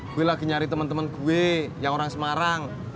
gue lagi nyari temen temen gue yang orang semarang